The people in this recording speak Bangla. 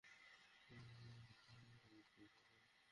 এসব স্থানে কোথাও সড়ক দেবে গেছে, আবার কোথাও খানাখন্দের সৃষ্টি হয়েছে।